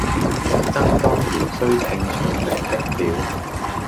則當然須聽將令的了，